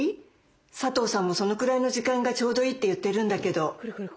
佐藤さんもそのくらいの時間がちょうどいいって言ってるんだけど」。